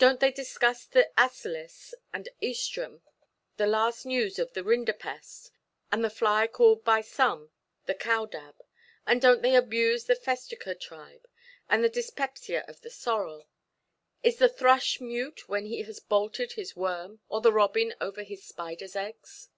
Donʼt they discuss the asilus and œstrum, the last news of the rinderpest, and the fly called by some the cow–dab, and donʼt they abuse the festuca tribe, and the dyspepsia of the sorrel? Is the thrush mute when he has bolted his worm, or the robin over his spiderʼs eggs?